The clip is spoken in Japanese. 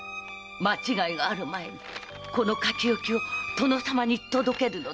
間違いがある前にこの書き置きを殿様に届けるのです。